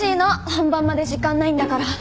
本番まで時間ないんだから。